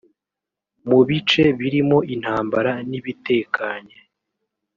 mu bice birimo intambara n’ibitekanye